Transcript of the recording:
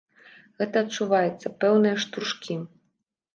Гэта адчуваецца, пэўныя штуршкі.